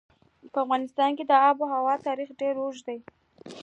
په افغانستان کې د آب وهوا تاریخ ډېر اوږد دی.